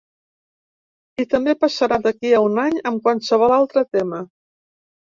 I també passarà d’aquí a un any amb qualsevol altre tema.